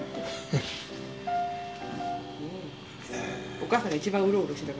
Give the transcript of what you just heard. お母さんが一番うろうろしてた。